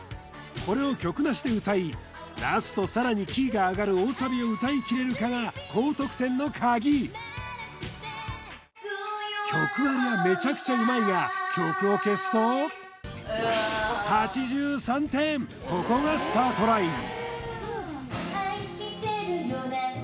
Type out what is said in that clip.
これを曲なしで歌いラストさらにキーが上がる大サビを歌い切れるかが高得点のカギ曲ありはめちゃくちゃうまいが曲を消すとここがスタートライン